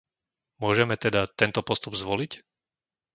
Môžeme teda tento postup zvoliť?